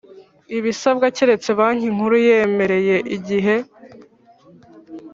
ibisabwa keretse Banki Nkuru iyemereye igihe